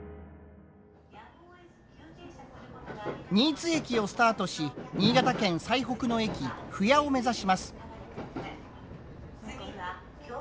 新津駅をスタートし新潟県最北の駅府屋を目指します。